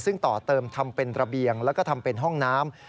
ซึ่งต่อเติมทำเป็นระเบียงแล้วก็ทำเป็นห้องน้ำ